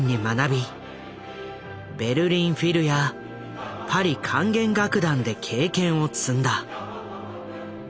ベルリン・フィルやパリ管弦楽団で経験を積んだ。